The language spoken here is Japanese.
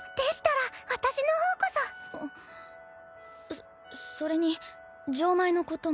そそれに錠前のことも。